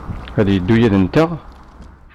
Ad d-yeddu yid-nteɣ?